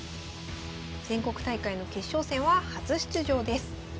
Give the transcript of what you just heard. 全国大会の決勝戦は初出場です。